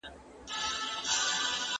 پخوا چا اوبو وهلی کتاب کتابتون ته راوړ.